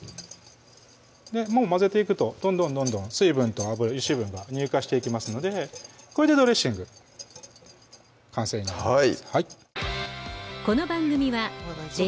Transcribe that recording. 混ぜていくとどんどんどんどん水分と油脂分が乳化していきますのでこれでドレッシング完成になります